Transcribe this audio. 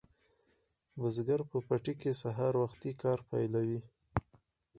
بزګر په پټي کې سهار وختي کار پیلوي.